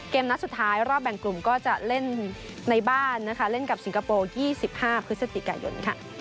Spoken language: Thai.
นัดสุดท้ายรอบแบ่งกลุ่มก็จะเล่นในบ้านเล่นกับสิงคโปร์๒๕พฤศจิกายน